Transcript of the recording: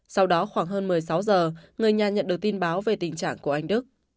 sau đó khoảng hơn một mươi sáu giờ người nhà nhận được tin báo về tình trạng của anh đức